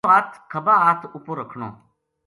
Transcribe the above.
سجو ہتھ کھبا ہتھ اپر رکھنو۔